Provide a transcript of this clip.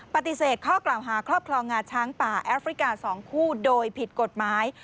ปฏิเสธข้อกล่าวหาครอบครองงาช้างป่าแอฟริกา๒คู่โดยผิดกฎหมาย